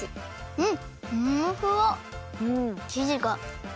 うん！